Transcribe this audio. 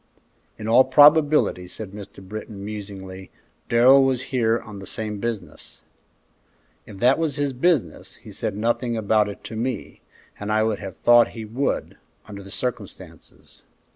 "In all probability," said Mr. Britton, musingly, "Darrell was here on the same business." "If that was his business, he said nothing about it to me, and I would have thought he would, under the circumstances."